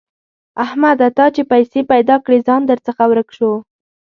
احمده! تا چې پيسې پیدا کړې؛ ځان درڅخه ورک شو.